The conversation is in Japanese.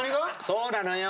そうなのよ。